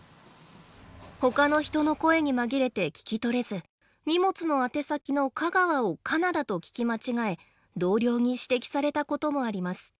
他の人の声に紛れて聞きとれず荷物の宛先の香川をカナダと聞き間違え同僚に指摘されたこともあります。